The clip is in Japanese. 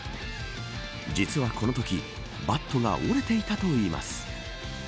実はこのときバットが折れていたといいます。